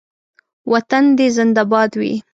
وطن دې زنده باد وي